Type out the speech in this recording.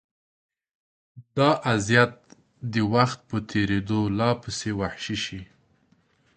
دا اذیت د وخت په تېرېدو لا پسې وحشي شي.